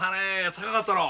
高かったろう？